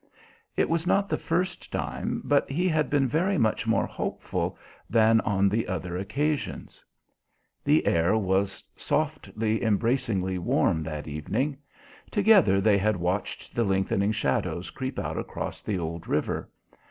It was not the first time, but he had been very much more hopeful than on the other occasions. The air was softly, embracingly warm that evening. Together they had watched the lengthening shadows creep out across the old river.